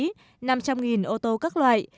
hướng tới sử dụng phong tiện giao thông công cộng là chính